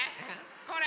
これ！